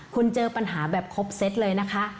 คุณเจอปัญหาแบบครบเซตเลยนะคะ